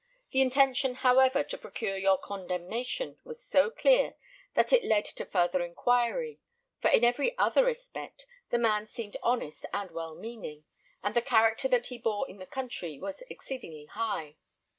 The intention, however, to procure your condemnation was so clear, that it led to farther inquiry; for in every other respect the man seemed honest and well meaning, and the character that he bore in the country was exceedingly high.